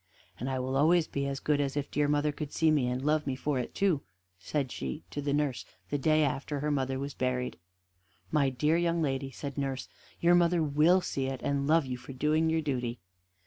"And I will always be as good as if dear mother could see me, and love me for it too," said she to nurse the day after her mother was buried. "My dear young lady," said nurse, "your mother will see it, and love you for doing your duty."